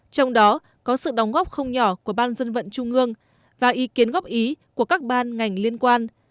trong đó có sự đóng góp không nhỏ của ban dân vận trung ương và ý kiến góp ý của các ban ngành liên quan